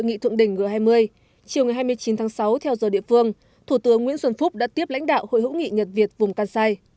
trong thời gian tới hội nghị thượng đỉnh g hai mươi chiều hai mươi chín tháng sáu theo giờ địa phương thủ tướng nguyễn xuân phúc đã tiếp lãnh đạo hội hữu nghị nhật việt vùng kansai